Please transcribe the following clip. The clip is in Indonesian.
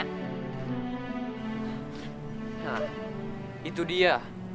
nah itu dia